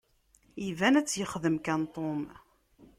Iban ad tt-yexdem kan Tom.